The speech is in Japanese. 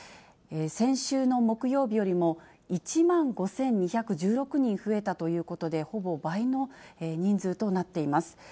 先週の木曜日よりも１万５２１６人増えたということで、ほぼ倍の人数となっています。